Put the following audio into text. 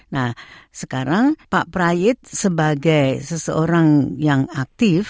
nah sekarang pak prayit sebagai seseorang yang aktif